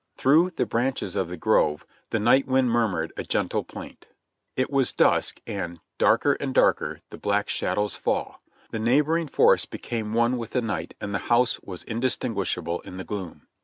Through the branches of the grove the night wind murmured a gentle plaint. It was dusk, and "Darker and darker The black shadows fall ;" the neighboring forest became one with the night, and the house was indistinguishable in the gloom.